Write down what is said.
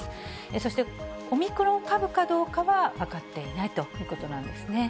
そして、オミクロン株かどうかは、分かっていないということなんですね。